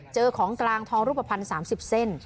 เจอของกลางทองรูปพันธ์สามสิบเซน